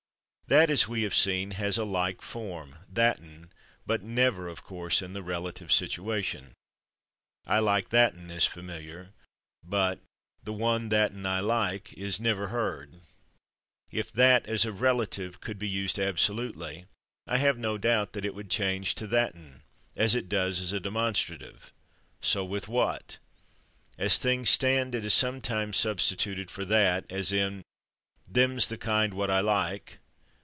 That, as we have seen, has a like form, /thatn/, but never, of course, in the relative situation. "I like /thatn/," is familiar, but "the one /thatn/ I like" is never heard. If /that/, as a relative, could be used absolutely, I have no doubt that it would change to /thatn/, as it does as a demonstrative. So with /what/. As things stand, it is sometimes substituted for /that/, as in "them's the kind /what/ I like."